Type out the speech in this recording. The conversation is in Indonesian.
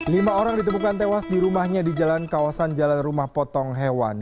lima orang ditemukan tewas di rumahnya di jalan kawasan jalan rumah potong hewan